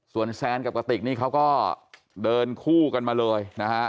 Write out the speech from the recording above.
ส่วนแซนกับกระติกนี่เขาก็เดินคู่กันมาเลยนะฮะ